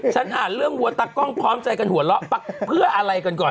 ฉันอ่านเรื่องวัวตากล้องพร้อมใจกันหัวเราะเพื่ออะไรกันก่อน